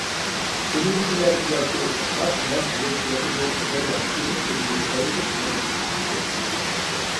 كېمىدىكىلەر ياكى غەرق مەست بولۇپ ياتىدۇ ۋە ياكى كېمىدىن ئايرىلىپ قىرغاققا چىقىپ كەتتى.